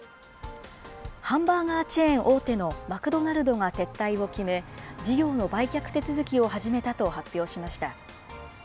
ハンバーガーチェーン大手のマクドナルドが撤退を決め、事業の売却手続きを始めたと発表しました。